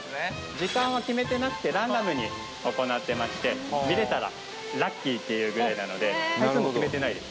時間は決めてなくてランダムに行ってまして見れたらラッキーっていうぐらいなので回数も決めてないです・